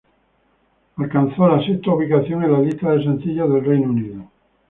Alcanzó la sexta ubicación en la lista de sencillos del Reino Unido.